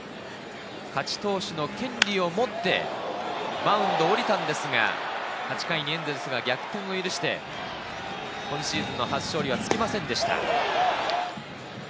勝ち投手の権利を持ってマウンドを降りたんですが、８回にエンゼルスが逆転を許して今シーズンの初勝利はつきませんでした。